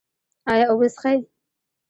ایا اوبه څښئ؟